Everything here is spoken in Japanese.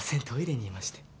トイレにいまして。